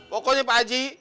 pokoknya pak haji